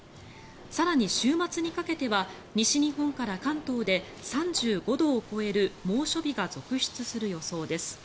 更に、週末にかけては西日本から関東で３５度を超える猛暑日が続出する予想です。